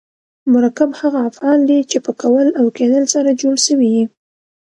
مرکب هغه افعال دي، چي په کول او کېدل سره جوړ سوي یي.